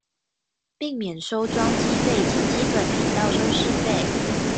並免收裝機費及基本頻道收視費